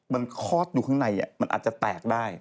มันคลอดอยู่ข้างในมันอาจจะแตกได้